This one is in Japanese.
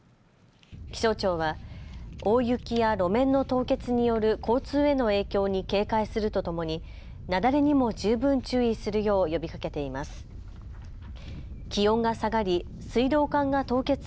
気象庁は大雪や路面の凍結による交通への影響に警戒するとともに雪崩にも十分注意するよう呼びかけています。